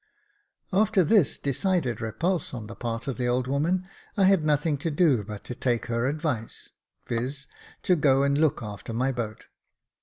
After this decided repulse on the part of the old woman, I had nothing to do but to take her advice, viz., to go and look after my boat.